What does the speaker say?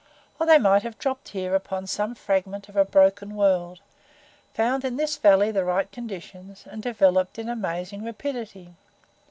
Or they might have dropped here upon some fragment of a broken world, found in this valley the right conditions and developed in amazing rapidity.